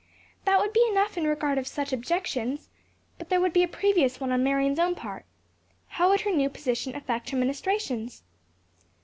"That would be enough in regard of such objections. But there would be a previous one on Marion's own part. How would her new position affect her ministrations?"